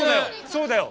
そうだよ！